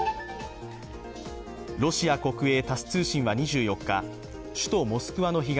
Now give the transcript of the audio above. ロシア国営タス通信は２４日首都モスクワの東